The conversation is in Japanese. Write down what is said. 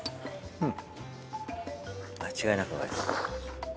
うん。